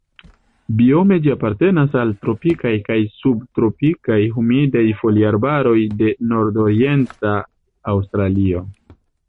Biome ĝi apartenas al tropikaj kaj subtropikaj humidaj foliarbaroj de nordorienta Aŭstralio.